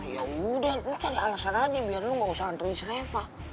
ya udah lu cari alasan aja biar lu gak usah ntunis reva